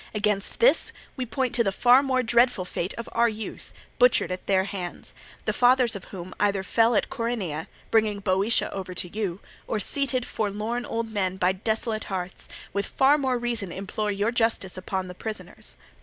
Against this we point to the far more dreadful fate of our youth, butchered at their hands; the fathers of whom either fell at Coronea, bringing Boeotia over to you, or seated, forlorn old men by desolate hearths, with far more reason implore your justice upon the prisoners.